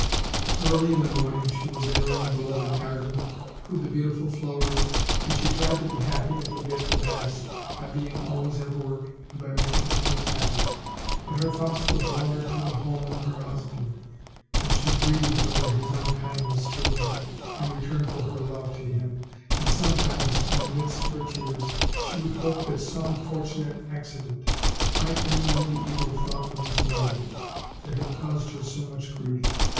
Early in the morning she was in her own beloved garden with the beautiful flowers, and she tried to be happy and forget the past, by being always at work and by making others happy; but her thoughts would wander to the home of her hus band, and she grieved over his unkindness to her, in re turn for her love to him; and sometimes, in the midst of her tears, she would hope that some fortunate accident might remove the evil thought from his mind, that had caused her so much grief.